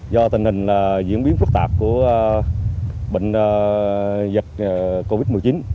do tình hình diễn biến phức tạp của bệnh dịch covid một mươi chín